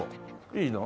いいの？